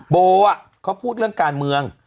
โบเขาพูดเรื่องการเมือง